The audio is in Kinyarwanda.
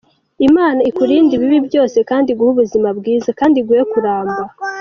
Imana ikurinde ibibi byose kandi iguhe ubuzima bwiza kandi iguhe kuramba.